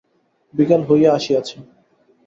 বিকাল হইয়া আসিয়াছে।